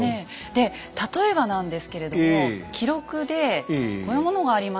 で例えばなんですけれども記録でこういうものがありました。